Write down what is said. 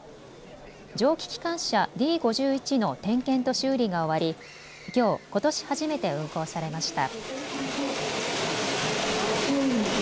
蒸気機関車、Ｄ５１の点検と修理が終わりきょう、ことし初めて運行されました。